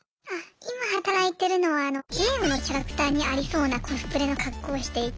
今働いてるのはゲームのキャラクターにありそうなコスプレの格好をしていて。